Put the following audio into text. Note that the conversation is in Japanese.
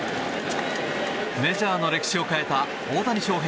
メジャーの歴史を変えた大谷翔平